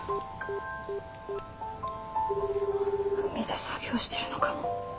海で作業してるのかも。